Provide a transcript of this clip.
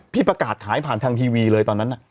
ประกาศขายผ่านทางทีวีเลยตอนนั้น